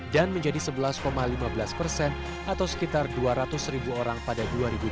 dan menjadi sebelas lima belas persen atau sekitar dua ratus ribu orang pada dua ribu dua puluh satu